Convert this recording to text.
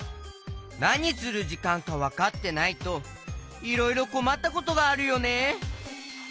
なにするじかんかわかってないといろいろこまったことがあるよね。